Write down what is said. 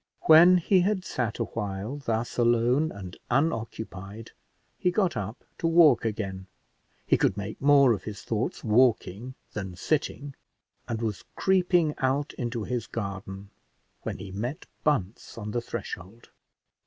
When he had sat a while, thus alone and unoccupied, he got up to walk again; he could make more of his thoughts walking than sitting, and was creeping out into his garden, when he met Bunce on the threshold.